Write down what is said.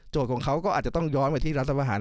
โจทย์ของเค้าก็อาจจะต้องย้อนไปที่รัสอาหาร๕๗